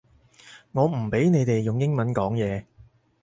我唔畀你哋用英文講嘢